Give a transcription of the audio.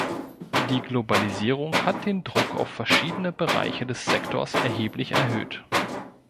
Die Globalisierung hat den Druck auf verschiedene Bereiche des Sektors erheblich erhöht.